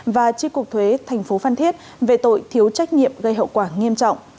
và chi cục thuế tp phan thiết về tội thiếu trách nhiệm gây hậu quả nghiêm trọng